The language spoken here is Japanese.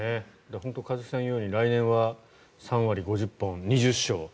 本当に一茂さんが言うように来年は３割５０本２０勝。